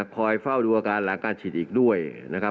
เฝ้าดูอาการหลังการฉีดอีกด้วยนะครับ